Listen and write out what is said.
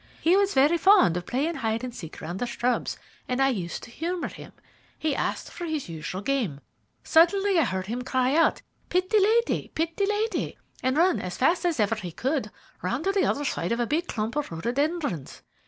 He was very fond of playing hide and seek round the shrubs, and I used to humour him. He asked for his usual game. Suddenly I heard him cry out, 'Pitty lady! Pitty lady,' and run as fast as ever he could round to the other side of a big clump of rhododendrons.